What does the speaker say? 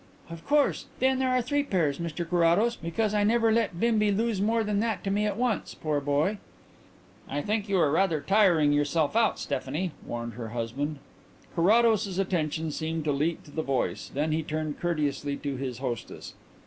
"Of course. Then there are three pairs, Mr Carrados, because I never let Bimbi lose more than that to me at once, poor boy." "I think you are rather tiring yourself out, Stephanie," warned her husband. Carrados's attention seemed to leap to the voice; then he turned courteously to his hostess.